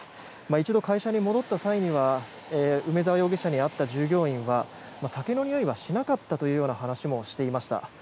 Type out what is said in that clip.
一度会社に戻った際梅沢容疑者に会った従業員は酒のにおいはしなかったというような話もしていました。